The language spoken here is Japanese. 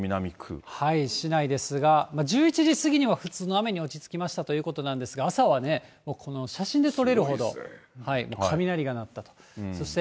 市内ですが、１１時過ぎには普通の雨に落ち着きましたということなんですが、朝は写真で撮れるほど、雷が鳴ったと。